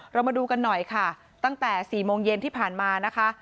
มาดูกันหน่อยค่ะตั้งแต่๔โมงเย็นที่ผ่านมานะคะ